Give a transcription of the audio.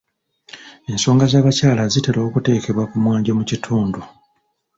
Ensonga z'abakyala zitera okuteekebwa ku mwanjo mu kitundu.